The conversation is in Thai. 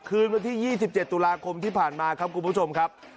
คืนวันที่๒๗ตุลาคมที่ผ่านมาครับคุณผู้ชมครับ